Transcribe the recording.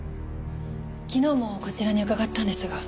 昨日もこちらに伺ったんですが。